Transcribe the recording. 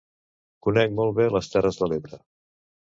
Conec molt bé les Terres de l'Ebre.